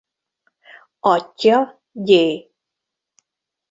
Atyja Gy.